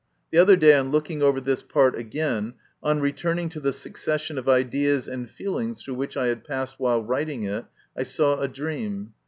The other day, on looking over this part again, on returning to the succession of ideas and feelings through which I had passed while writing it, I saw a dream.